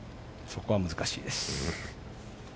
そこは難しいです。